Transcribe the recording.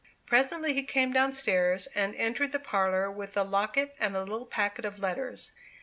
Presently he came downstairs, and entered the parlour with the locket and a little packet of letters.